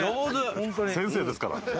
先生ですから。